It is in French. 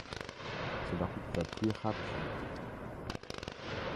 C’est la route la plus rapide.